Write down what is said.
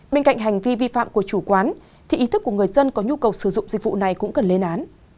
bên cạnh hành vi vi phạm của chủ quán thì ý thức của người dân có nhu cầu sử dụng dịch vụ này cũng cần lên án